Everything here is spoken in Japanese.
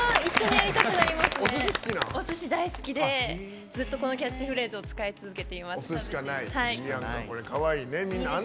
おすし大好きでずっとこのキャッチフレーズを使い続けています。